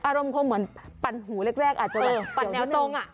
อารมณ์คงเหมือนปั่นหูแรกอาจจะแบบปั่นแนวตรงอ่ะ